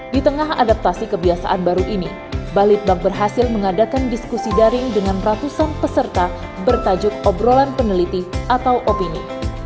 di tengah adaptasi kebiasaan baru ini balitbang berhasil mengadakan diskusi daring dengan ratusan peserta bertajuk obrolan peneliti atau opini